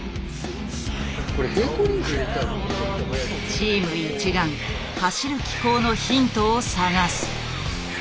チーム一丸走る機構のヒントを探す。